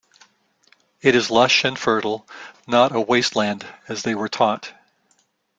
It is lush and fertile, not a wasteland as they were taught.